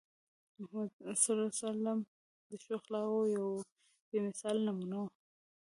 محمد صلى الله عليه وسلم د ښو اخلاقو یوه بې مثاله نمونه وو.